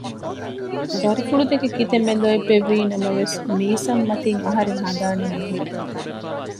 ދަރިފުޅު ދެކެ ކިތަންމެ ލޯތްބެއްވީ ނަމަވެސް މީސަމް މަތިން އަހަރެން ހަނދާނެއް ނުހުރޭ